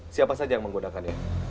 siapa saja yang menggunakannya